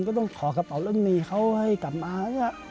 ก็ต้องขอกระเป๋ารถเมย์เขาให้กลับมา